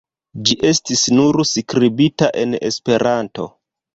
Ĝi estis nur skribita en Esperanto.